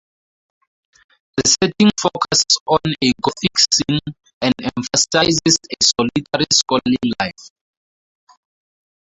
The setting focuses on a Gothic scene and emphasises a solitary scholarly life.